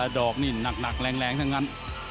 ดอกนี่หนักแรงทั้งนั้น